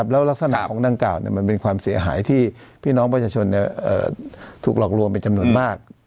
แล้วลักษณะของดังกล่าวมันเป็นความเสียหายที่พี่น้องประชาชนถูกหลอกลวงเป็นจำนวนมาก